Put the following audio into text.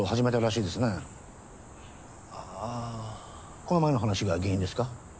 この前の話が原因ですか？